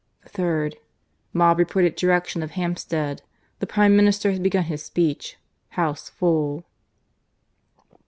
The third: "MOB REPORTED DIRECTION OF HAMPSTEAD. THE PRIME MINISTER HAS BEGUN HIS SPEECH. HOUSE FULL."